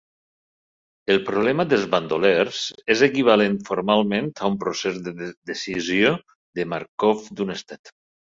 El problema dels bandolers és equivalent formalment a un procés de decisió de Markov d"un estat.